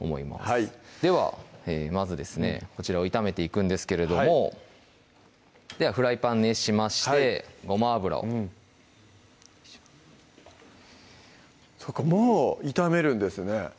はいではまずですねこちらを炒めていくんですけれどもではフライパン熱しましてごま油をそっかもう炒めるんですね